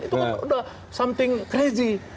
itu kan udah something crazy